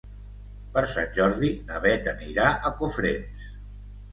Per Sant Jordi na Beth anirà a Cofrents.